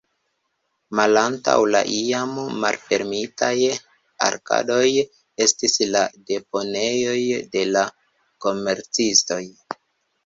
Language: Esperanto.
Malantaŭ la iam malfermitaj arkadoj estis la deponejoj de la komercistoj.